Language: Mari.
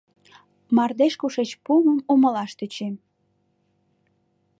Мардеж кушеч пуымым умылаш тӧчем.